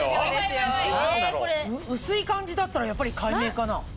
薄い感じだったらやっぱり改名かな？